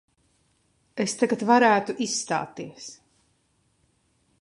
Es tagad varētu izstāties.